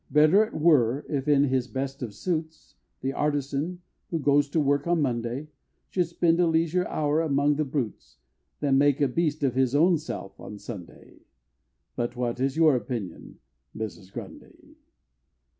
Better it were if, in his best of suits, The artisan, who goes to work on Monday, Should spend a leisure hour among the brutes, Than make a beast of his own self on Sunday But what is your opinion, Mrs. Grundy?